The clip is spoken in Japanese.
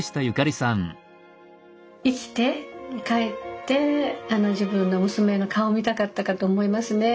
生きて帰って自分の娘の顔を見たかったかと思いますね。